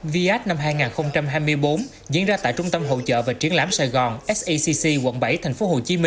viad năm hai nghìn hai mươi bốn diễn ra tại trung tâm hậu trợ và triển lãm sài gòn sacc quận bảy tp hcm